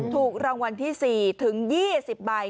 ถูกรางวัลที่๔ถึง๒๐ใบ